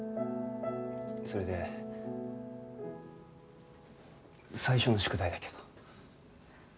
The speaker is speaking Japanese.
それで最初の宿題だけど。